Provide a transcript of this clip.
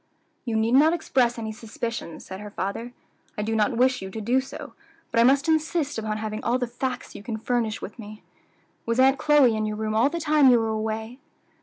"You need not express any suspicions," said her father; "I do not wish you to do so; but I must insist upon having all the facts you can furnish me with. Was Aunt Chloe in your room all the time you were away?"